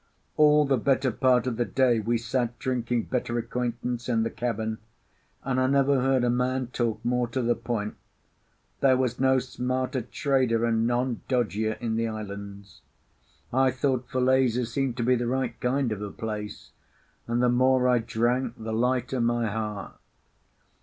All the better part of the day we sat drinking better acquaintance in the cabin, and I never heard a man talk more to the point. There was no smarter trader, and none dodgier, in the islands. I thought Falesá seemed to be the right kind of a place; and the more I drank the lighter my heart.